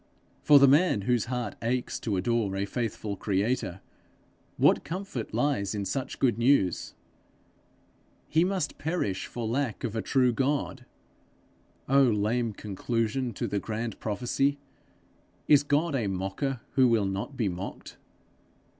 For the man whose heart aches to adore a faithful creator, what comfort lies in such good news! He must perish for lack of a true God! Oh lame conclusion to the grand prophecy! Is God a mocker, who will not be mocked?